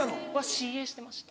ＣＡしてました。